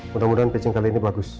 mudah mudahan patching kali ini bagus